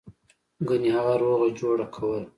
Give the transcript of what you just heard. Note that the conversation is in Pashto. ګنې هغه روغه جوړه کوله.